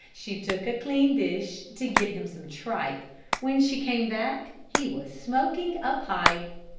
She took a clean dish To get him some tripe; When she came back He was smoking a pipe.